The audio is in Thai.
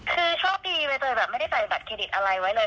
คือโชคดีใบเตยแบบไม่ได้ใส่บัตรเครดิตอะไรไว้เลย